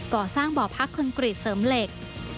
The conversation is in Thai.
ก่อสร้างบ่อพักคอนกรีตเสริมเหล็ก